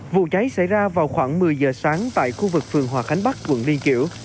vụ cháy xảy ra vào khoảng một mươi giờ sáng tại khu vực phường hòa khánh bắc quận liên kiểu